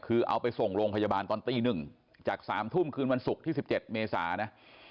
คือเอาไปส่งโรงพยาบาลตอนตี๑จาก๓ทุ่มคืนวันศุกร์ที่๑๗เมษานะ